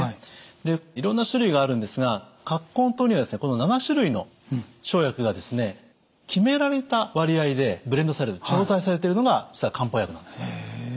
でいろんな種類があるんですが根湯にはこの７種類の生薬が決められた割合でブレンドされてる調剤されてるのが実は漢方薬なんですね。